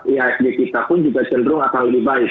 ihsg kita pun juga cenderung akan lebih baik